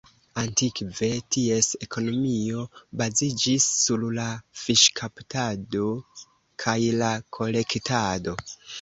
Antikve ties ekonomio baziĝis sur la fiŝkaptado kaj la kolektado.